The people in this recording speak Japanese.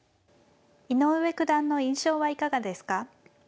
井上九段の印象はいかがですか。